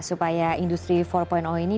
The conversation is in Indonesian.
supaya industri empat ini